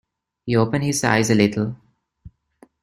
He opened his eyes a little.